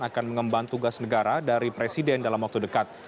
akan mengemban tugas negara dari presiden dalam waktu dekat